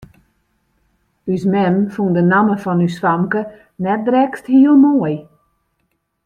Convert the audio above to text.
Us mem fûn de namme fan ús famke net drekst hiel moai.